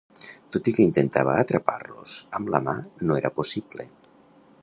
Tot i que intentava atrapar-los amb la mà, no era possible.